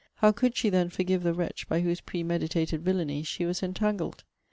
How could she then forgive the wretch by whose premeditated villany she was entangled?